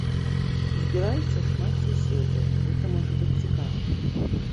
Збіраецца шмат суседзяў, гэта можа быць цікава.